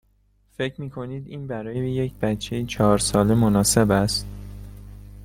فکر می کنید این برای یک بچه چهار ساله مناسب است؟